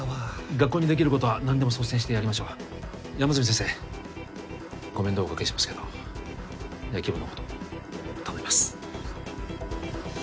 学校にできることは何でも率先してやりましょう山住先生ご面倒おかけしますけど野球部のこと頼みます